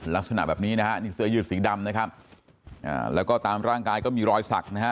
ลักษณะแบบนี้นะฮะนี่เสื้อยืดสีดำนะครับแล้วก็ตามร่างกายก็มีรอยสักนะฮะ